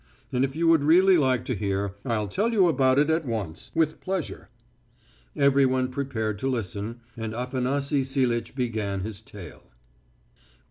And if you would really like to hear, I'll tell you about it at once with pleasure." Everyone prepared to listen, and Afanasy Silitch began his tale.